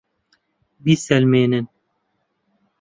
بیسەلمێنن!